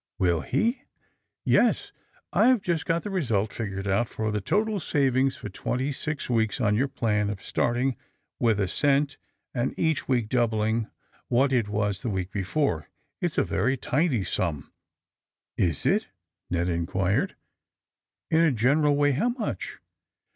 ^'A¥ill her' ^^Yes; I've jnst got the result figured out for the total savings for twenty six weeks on your plan of starting with a cent and each week doubling what it was the week before. It's a very tidy sum." ^ '^Is it?" Ned inquired. *'In a general way, how much?"